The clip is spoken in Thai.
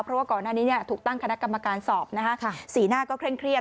เพราะว่าก่อนหน้านี้ถูกตั้งคณะกรรมการสอบสีหน้าก็เคร่งเครียด